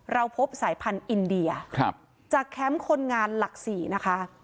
เราพบสายพันธุ์อินเดียจากแคมป์คนงานหลัก๔นะคะ